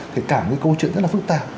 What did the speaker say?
thì cả một câu chuyện rất là phức tạp